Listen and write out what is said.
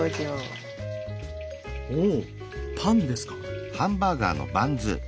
おおパンですか。